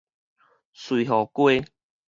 瑞湖街